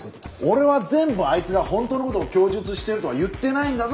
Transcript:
俺は全部あいつが本当の事を供述してるとは言ってないんだぞ